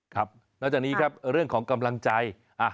ครับนอกจากนี้ครับเรื่องของกำลังใจ